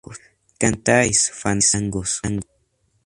cantáis fandangos